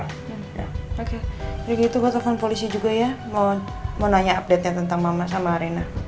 oke dari gitu gue telfon polisi juga ya mau nanya update nya tentang mama sama reina